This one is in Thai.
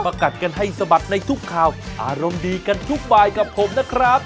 กัดกันให้สะบัดในทุกข่าวอารมณ์ดีกันทุกบายกับผมนะครับ